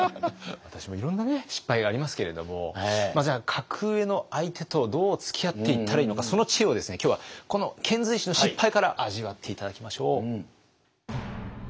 私もいろんな失敗がありますけれどもじゃあ格上の相手とどうつきあっていったらいいのかその知恵を今日はこの遣隋使の失敗から味わって頂きましょう。